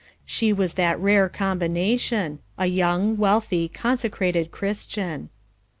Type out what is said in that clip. She was that rare combination, a young, wealthy, consecrated Christian.